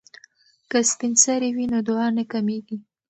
که سپین سرې وي نو دعا نه کمیږي.